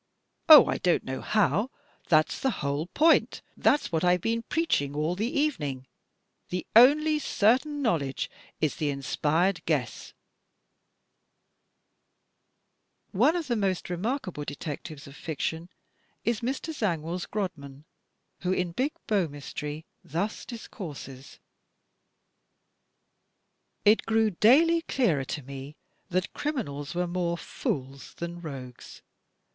Oh, I don't know how. That's the whole point. That's what I've been preaching all the evening. The only certain knowledge is the inspired guess." OTHER DETECTIVES OF FICTION I5I One of the most remarkable Detectives of Fiction is Mr. ZangwilFs Grodman, who in "Big Bow Mystery," thus dis courses: "It grew daily clearer to me that criminals were more fools than rogues.